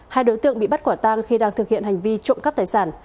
hai đối tượng bị bắt quả tang khi đang thực hiện hành vi trộm cắp tài sản